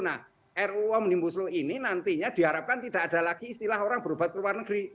nah ruu omnibuslo ini nantinya diharapkan tidak ada lagi istilah orang berubah ke luar negeri